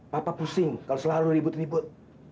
papa pusing kalau selalu ribut ribut